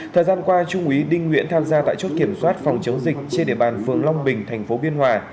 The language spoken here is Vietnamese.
thời gian qua trung úy đinh nguyễn tham gia tại chốt kiểm soát phòng chống dịch trên địa bàn phường long bình thành phố biên hòa